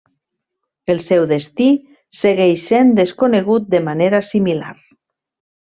El seu destí segueix sent desconegut de manera similar.